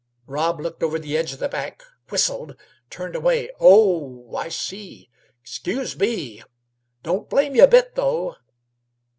Rob looked over the edge of the bank, whistled, turned away. "Oh, I see! Excuse me! Don't blame yeh a bit, though.